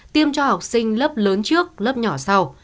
tiêm cho học sinh lớp lớn trước lớp nhỏ sau